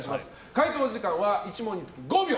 解答時間は１問につき５秒。